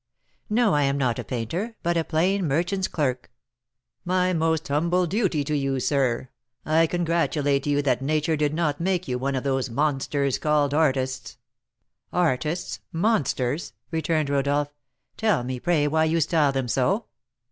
"No, I am not a painter, but a plain merchant's clerk." "My most humble duty to you, sir. I congratulate you that Nature did not make you one of those monsters called artists." "Artists, monsters!" returned Rodolph. "Tell me, pray, why you style them so."